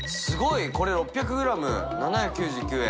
これ６００ｇ７９９円。